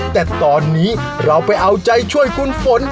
แต่ตอนนี้เราไปเอาใจช่วยคุณฝน